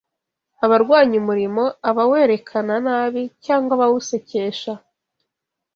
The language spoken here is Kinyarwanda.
abarwanya umurimo, abawerekana nabi, cyangwa abawusekesha.